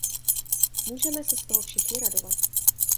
Můžeme se z toho všichni radovat.